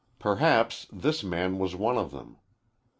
Perhaps this man was one of them.